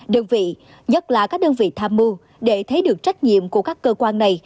đơn vị nhất là các đơn vị tham mưu để thấy được trách nhiệm của các cơ quan này